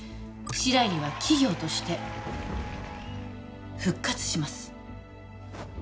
白百合は企業として復活します